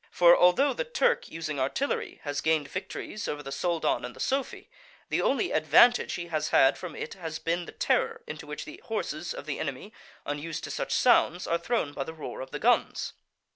For although the Turk, using artillery, has gained victories over the Soldan and the Sofi, the only advantage he has had from it has been the terror into which the horses of the enemy, unused to such sounds, are thrown by the roar of the guns.